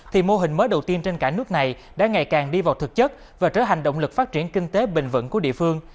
thì mô hình mới đầu tiên trên cả nước này đã ngày càng đi vào thực chất và trở thành động lực phát triển kinh tế bình vẩn của địa phương